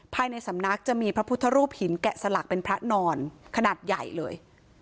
ภายในสำนักจะมีพระพุทธรูปหินแกะสลักเป็นพระนอนขนาดใหญ่เลย